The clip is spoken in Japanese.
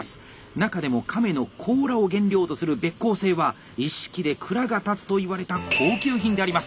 中でも亀の甲羅を原料とするべっ甲製は一式で蔵が建つといわれた高級品であります。